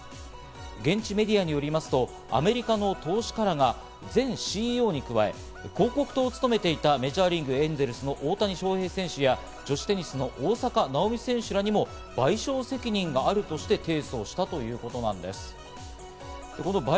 現地メディアによりますと、アメリカの投資家らが前ＣＥＯに加え、広告塔を務めていたメジャーリーグ・エンゼルスの大谷翔平選手や女子テニスの大坂なおみ選手らにも賠償責任があるとして提訴したということなんです。